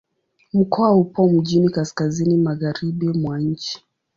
Mkoa upo mjini kaskazini-magharibi mwa nchi.